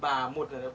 đang uống rượu